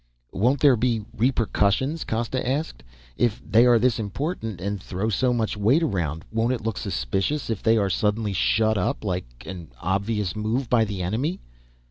"Won't there be repercussions?" Costa asked. "If they are this important and throw so much weight around won't it look suspicious if they are suddenly shut up. Like an obvious move by the enemy?"